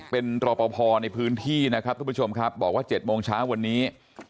เป็นรอปภในพื้นที่นะครับทุกผู้ชมครับบอกว่า๗โมงเช้าวันนี้